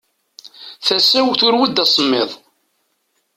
Tasa-w turew-d asemmiḍ.